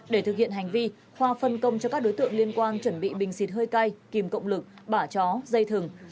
để thực hiện hành vi khoa phân công cho các đối tượng liên quan chuẩn bị bình xịt hơi cay kìm cộng lực bả chó dây thừng